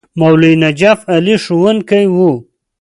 مولوي نجف علي ښوونکی وو.